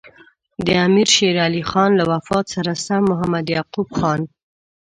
د امیر شېر علي خان له وفات سره سم محمد یعقوب خان.